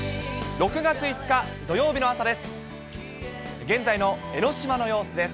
６月５日土曜日の朝です。